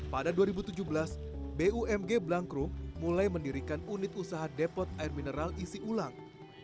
pada dua ribu tujuh belas bumg blangkrum mulai mendirikan unit usaha depot air mineral isi ulang